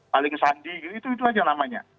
paling sandi gitu itu aja namanya